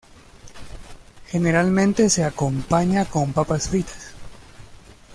Generalmente se acompaña con papas fritas.